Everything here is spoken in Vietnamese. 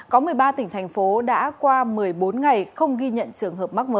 có một mươi ba tỉnh thành phố đã qua một mươi bốn ngày không ghi nhận trường hợp mắc mới